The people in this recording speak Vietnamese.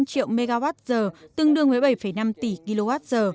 của ngành này là khoảng bảy năm triệu mwh tương đương với bảy năm tỷ kwh